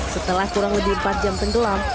setelah kurang lebih empat jam tenggelam